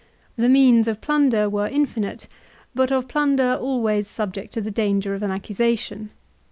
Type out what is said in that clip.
The means of plunder were infinite, but of plunder always subject to the danger of an accusation.